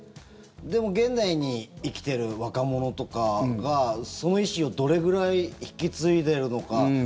でも現代に生きている若者とかがその意思をどれぐらい引き継いでいるのか。